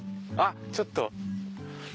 あっちょっと。